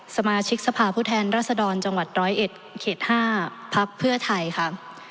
สมาชิกสภาพผู้แทนรัศดรจังหวัด๑๐๑เขต๕พักเพื่อไทยค่ะ